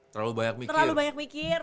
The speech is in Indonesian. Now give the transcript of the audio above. terlalu banyak mikir